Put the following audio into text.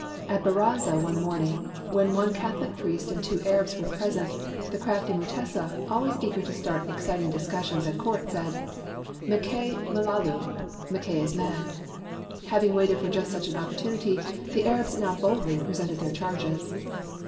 At ~baraza one morning, when one Catho lic priest and two Arabs were present, the crafty Mutesa, always eager to start excit ing discussions at court, said: "Makay mi lalu," ("Mackay is mad"). Having waited for just such an opportunity, the Arabs now boldly presented their charges.